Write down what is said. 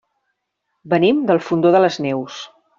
Venim del Fondó de les Neus.